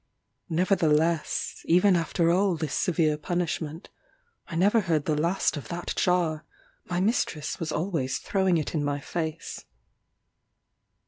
Nevertheless, even after all this severe punishment, I never heard the last of that jar; my mistress was always throwing it in my face.